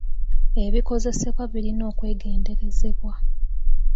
Ebikozesebwa birina okwegenderezebwa.